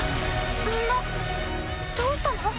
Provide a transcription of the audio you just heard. みんなどうしたの？